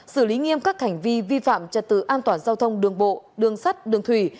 xử lý nghiêm các hành vi vi phạm trật tự an toàn giao thông đường bộ đường sắt đường thủy